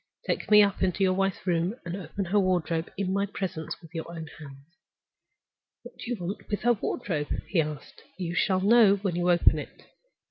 Take me up into your wife's room, and open her wardrobe in my presence with your own hands." "What do you want with her wardrobe?" he asked. "You shall know when you open it."